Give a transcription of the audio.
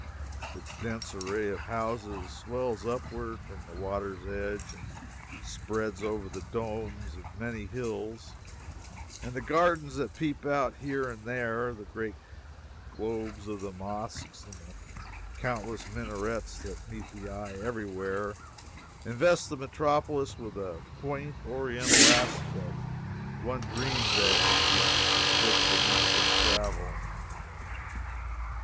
Its dense array of houses swells upward from the water's edge, and spreads over the domes of many hills; and the gardens that peep out here and there, the great globes of the mosques, and the countless minarets that meet the eye every where, invest the metropolis with the quaint Oriental aspect one dreams of when he reads books of eastern travel.